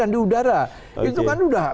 di udara itu kan udah